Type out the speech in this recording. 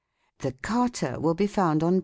The "Carta" will be found on pp.